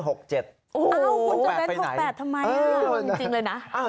โอ้โฮคุณจะเป็น๖๘ทำไมน่ะจริงเลยนะ